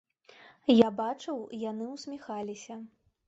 Я бачыў, яны ўсміхаліся!